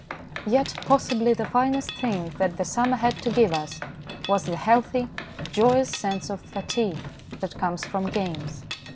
Yet possibly the finest thing that the CHILDREN AND THE SPRING 51 summer had to give us was the healthy, joyous sense of fatigue that comes from games.